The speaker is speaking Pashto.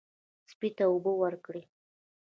سپي ته اوبه ورکړئ.